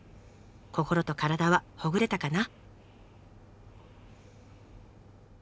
心と体はほぐれたかな。